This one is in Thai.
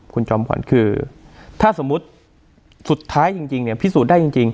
คุณจอมขวัญคือถ้าสมมุติสุดท้ายจริงเนี่ยพิสูจน์ได้จริง